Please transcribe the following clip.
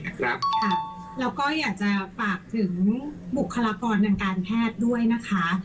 แล้วก็อยากจะฝากถึงบุคลากรทางการแพทย์ด้วยนะคะ